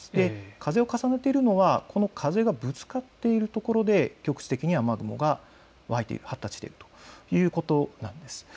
風を重ねているのはこの風がぶつかっているところで局地的に雨雲が湧いている、発達しているということなんです。